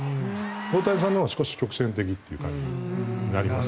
大谷さんのは少し曲線的っていう感じになりますね。